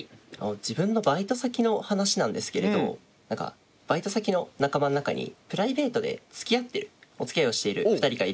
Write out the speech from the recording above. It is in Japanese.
自分のバイト先の話なんですけれどバイト先の仲間の中にプライベートでつきあってるおつきあいをしている２人がいるんですね。